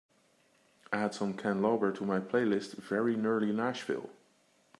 Add some ken lauber to my playlist very nearly nashville